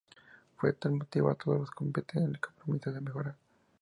Por tal motivo a todos les compete el compromiso de mejorar.